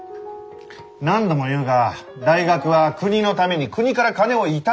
何度も言うが大学は国のために国から金を頂いて研究してるんだ。